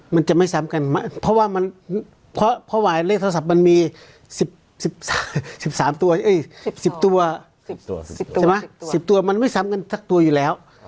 มันจะไม่ซ้ำกันเพราะว่าเลขโทรศัพท์มันมี๑๐ตัวมันไม่ซ้ำกันสักตัวอยู่แล้ว